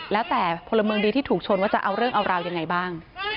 แล้วแต่พลเมืองดีที่ถูกชนว่าจะเอาเรื่องเอาราวยังไงบ้าง